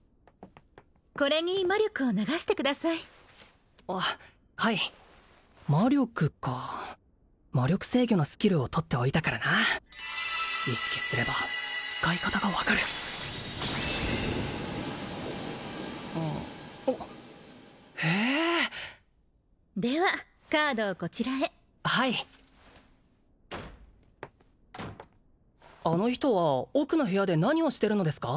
これに魔力を流してくださいあっはい魔力か魔力制御のスキルを取っておいたからな意識すれば使い方が分かるあっへえではカードをこちらへはいあの人は奥の部屋で何をしてるのですか？